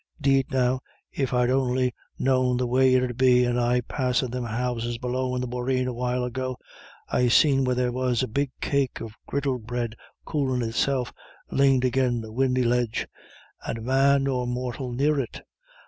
'Deed now, if I'd on'y known the way it 'ud be, and I passin' thim houses below in the boreen a while ago! I seen where there was a big cake of griddle bread coolin' itself, laned agin the windy ledge, and man nor mortal near it.